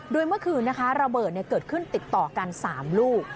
โดยเมื่อคืนนะคะระเบิดเกิดขึ้นติดต่อกัน๓ลูก